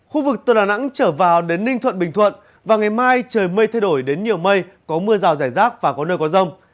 khu vực từ đà nẵng trở vào đến ninh thuận bình thuận và ngày mai trời mây thay đổi đến nhiều mây có mưa rào rải rác và có nơi có rông